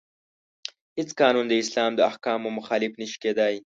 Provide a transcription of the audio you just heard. هیڅ قانون د اسلام د احکامو مخالف نشي کیدای.